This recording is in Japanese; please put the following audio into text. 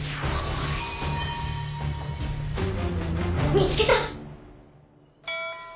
見つけた！